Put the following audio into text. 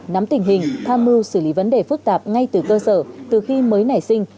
nắm tình hình tham mưu xử lý vấn đề phức tạp ngay từ cơ sở từ khi mới nảy sinh